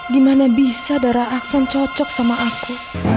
gimana bisa darah aksen cocok sama aku